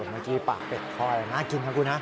฼่อมกี้ปากเป็ดคอยน่ากินครับคุณฮะ